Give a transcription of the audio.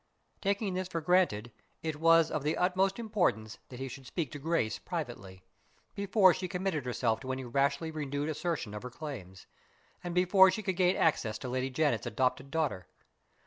Taking this for granted, it was of the utmost importance that he should speak to Grace privately, before she committed herself to any rashly renewed assertion of her claims, and before she could gain access to Lady Janet's adopted daughter.